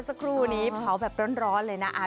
สักครู่นี้เผาแบบร้อนเลยนะ